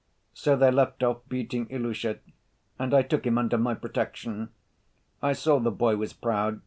So they left off beating Ilusha and I took him under my protection. I saw the boy was proud.